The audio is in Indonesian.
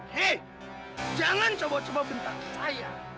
hei jangan coba coba bentang saya